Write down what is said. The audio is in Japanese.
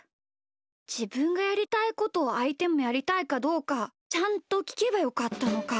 じぶんがやりたいことをあいてもやりたいかどうかちゃんときけばよかったのか。